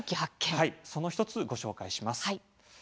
その１つ、ご紹介します。